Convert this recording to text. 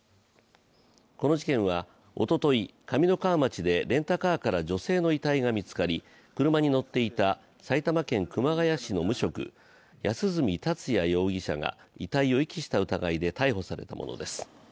この事件はおととい、上三川町でレンタカーから女性の遺体が見つかり車に乗っていた埼玉県熊谷市の無職、安栖達也容疑者が遺体を遺棄した疑いで逮捕されたものです。